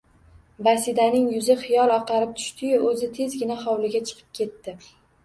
Basidaning yuzi xiyol oqarib tushdi-yu, o‘zi tezgina hovliga chiqib ketdi